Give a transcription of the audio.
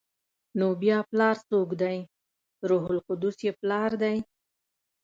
نو بیا پلار څوک دی؟ روح القدس یې پلار دی؟